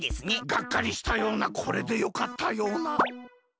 がっかりしたようなこれでよかったような。